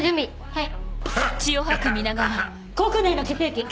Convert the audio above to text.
はい。